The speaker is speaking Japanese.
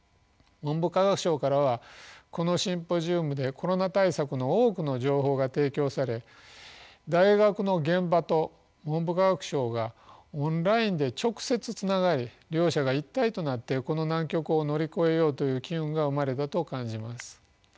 文部科学省からはこのシンポジウムでコロナ対策の多くの情報が提供され大学の現場と文部科学省がオンラインで直接つながり両者が一体となってこの難局を乗り越えようという機運が生まれたと感じます。